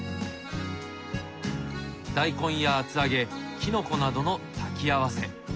大根や厚揚げキノコなどの煮き合わせ。